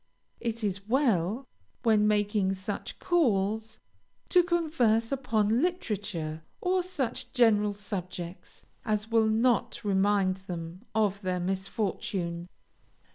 It is well, when making such calls, to converse upon literature, or such general subjects as will not remind them of their misfortune.